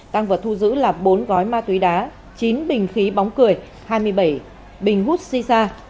tàng vật thu giữ là bốn gói ma túy đá chín bình khí bóng cười hai mươi bảy bình hút xì xa